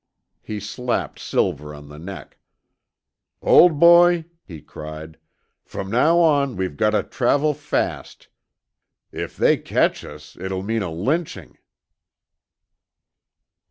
He slapped Silver on the neck. "Old boy," he cried, "from now on we've got to travel fast. If they catch us, it will mean a lynching."